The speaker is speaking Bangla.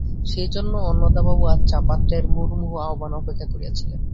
সেইজন্যেই অন্নদাবাবু আজ চা-পাত্রের মুহুর্মুহু আহ্বান উপেক্ষা করিয়াছিলেন।